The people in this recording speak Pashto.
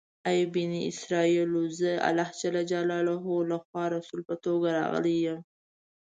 ای بني اسرایلو! زه الله جل جلاله لخوا رسول په توګه راغلی یم.